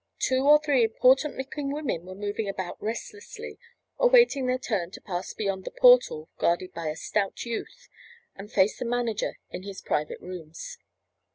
Two or three important looking women were moving about restlessly, awaiting their turn to pass beyond the portal guarded by a stout youth, and face the manager in his private rooms.